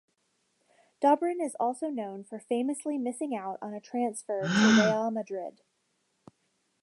Dobrin is also known for famously missing out on a transfer to Real Madrid.